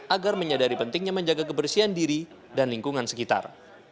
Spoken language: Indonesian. agar menyadari pentingnya menjaga kebersihan diri dan lingkungan sekitar